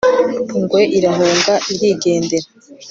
ingwe irahunga irigendera